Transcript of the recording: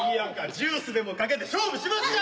ジュースでも懸けて勝負しますか。